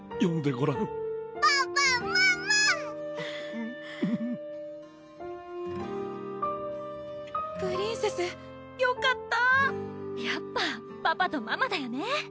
うんうんプリンセスよかったやっぱパパとママだよね